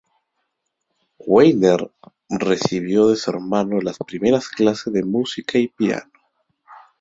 Weiner recibió de su hermano las primeras clases de música y piano.